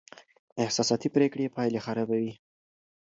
احساساتي پرېکړې پایلې خرابوي.